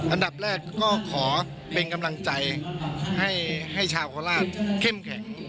อันดับแรกก็ขอเป็นกำลังใจให้ชาวโคราชเข้มแข็ง